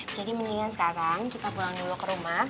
jadi mendingan sekarang kita pulang dulu ke rumah